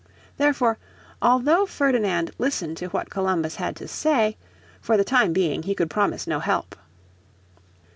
Therefore, although Ferdinand listened to what Columbus had to say, for the time being he could promise no help.